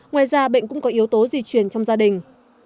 ngoài ra bệnh cũng có yếu tố di truyền trong gia đình